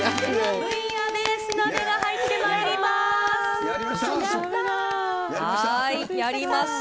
ブイヤベース鍋が入ってまいやりました。